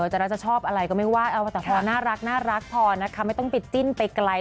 จะรักจะชอบอะไรก็ไม่ว่าเอาแต่พอน่ารักพอนะคะไม่ต้องไปจิ้นไปไกล